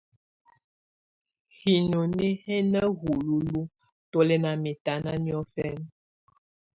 Hinoni hɛ̀ na hululuǝ́ tù lɛ̀ nà mɛ̀tana niɔfɛna.